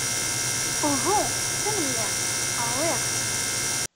Uhu, tanemmirt. Ṛwiɣ.